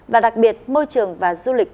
và đặc biệt môi trường và du lịch